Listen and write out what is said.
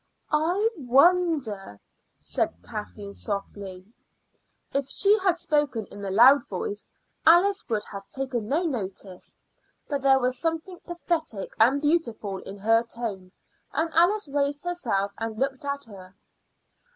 "I wonder " said Kathleen softly. If she had spoken in a loud voice Alice would have taken no notice, but there was something pathetic and beautiful in her tone, and Alice raised herself and looked at her.